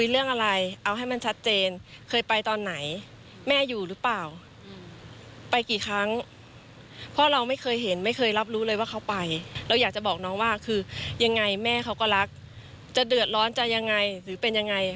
เราอยากจะบอกน้องว่าคือยังไงแม่เขาก็รักจะเดือดร้อนจะยังไงหรือเป็นยังไง